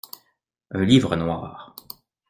Un livre noir.